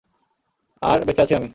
আর বেঁচে আছি আমি।